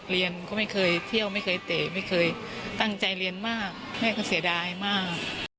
เรียนก็ไม่เคยเที่ยวไม่เคยเตะไม่เคยตั้งใจเรียนมากแม่ก็เสียดายมาก